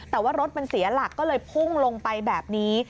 แต่ว่ารถมันเสียหลักก็เลยพุ่งลงไปแบบนี้